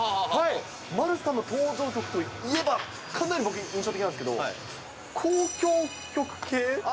丸さんの登場曲といえば、かなり、僕、印象的なんですけど、交響曲系？